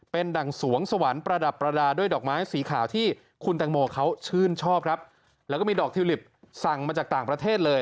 เป็นดั่งสวงสวรรค์ประดับประดาษด้วยดอกไม้สีขาวที่คุณแตงโมเขาชื่นชอบครับแล้วก็มีดอกทิวลิปสั่งมาจากต่างประเทศเลย